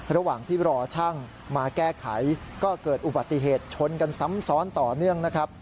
ระหว่างที่รอช่างมาแก้ไขก็เกิดอุบัติเหตุชนกันซ้ำซ้อนต่อเนื่องนะครับ